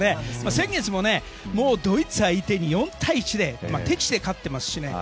先月もドイツ相手に４対１で敵地で勝ってますしね。